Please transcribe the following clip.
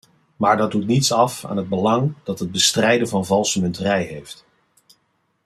Maar dat doet niets af aan het belang dat het bestrijden van valsemunterij heeft.